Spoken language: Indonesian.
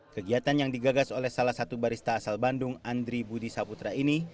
kegiatan yang digagas oleh salah satu barista asal bandung andri budi saputra ini